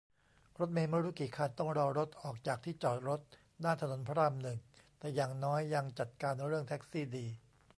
รถเมล์ไม่รู้กี่คันต้องรอรถออกจากที่จอดรถด้านถนนพระรามหนึ่ง แต่อย่างน้อยยังจัดการเรื่องแท็กซี่ดี